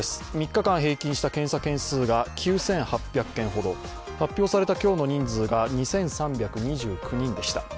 ３日間平均した数が９８００件ほど、発表された今日の人数が２３２９人でした。